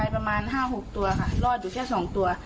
ประมาณ๕๖ตัวค่ะรอดอยู่แค่๒ตัว